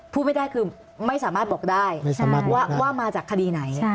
พูดไม่ได้คือไม่สามารถบอกได้ว่ามาจากคดีไหน